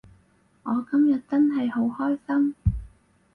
我今日真係好開心